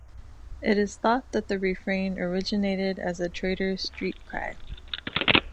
It is thought that the refrain originated as a trader's street cry.